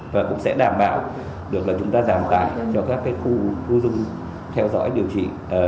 và cũng sẽ đảm bảo được là chúng ta giảm tải cho các khu khu dung theo dõi điều trị